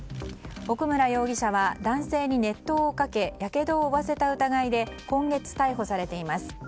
奥村容疑者は男性に熱湯をかけやけどを負わせた疑いで今月、逮捕されています。